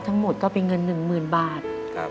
ทั้งหมดก็เป็นเงินหนึ่งหมื่นบาท